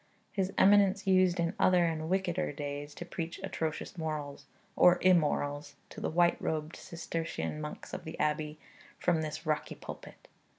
His eminence used in other and wickeder days to preach atrocious morals, or immorals, to the white robed Cistercian monks of the abbey, from this rocky pulpit.